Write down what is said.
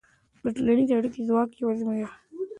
د ټولنیزو اړیکو ځواک وازمویه.